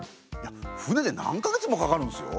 船で何か月もかかるんすよ。